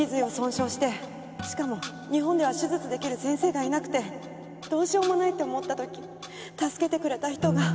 しかも日本では手術出来る先生がいなくてどうしようもないって思った時助けてくれた人が。